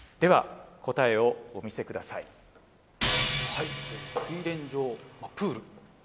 はい水練場プール。